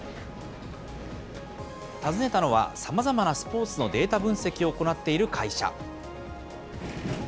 訪ねたのはさまざまなスポーツのデータ分析を行っている会社。